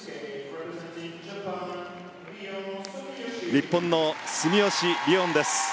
日本の住吉りをんです。